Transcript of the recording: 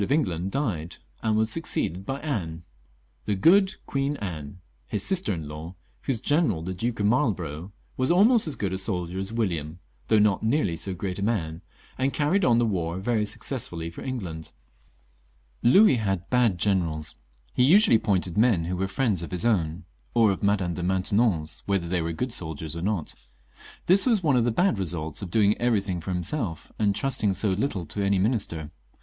of England died, and was succeeded by Anne — "the good Queen Anne" — his sister in law, whose general, the Duke of Marlborough, was almost as good a soldier as William, though a far less great man, and carried on the war very successfully for England. Louis had bad generals ; he usually appointed men who were Mends of his own, or of Madame de Maintenon's, whether they were good soldiers or not. This was one of the bad results of doing everything for himself, and trusting so little to any minister.